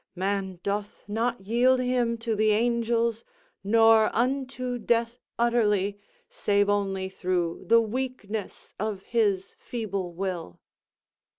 Man doth not yield him to the angels, nor unto death utterly, save only through the weakness of his feeble will."